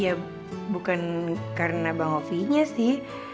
ya bukan karena bang hovinya sih